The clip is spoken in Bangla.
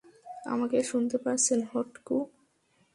আমাকে শুনতে পারছেন, হক-টু?